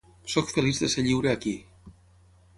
Sóc feliç de ser lliure aquí.